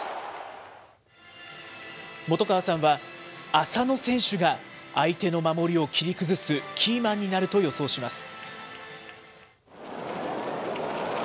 元川さんは、浅野選手が相手の守りを切り崩すキーマンになると予想します。